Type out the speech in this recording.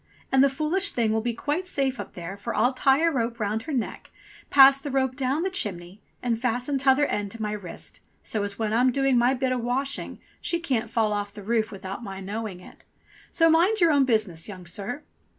And the foolish thing will be quite safe up there, for I'll tie a rope round her neck, pass the rope down the chimney, and fasten tother end to my wrist, so as when I'm doing my bit o' washing, she can't fall off the roof without my knowing it. So mind your own business, young sir."